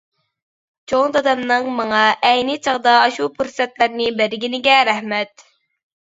چوڭ دادامنىڭ ماڭا ئەينى چاغدا ئاشۇ پۇرسەتلەرنى بەرگىنىگە رەھمەت.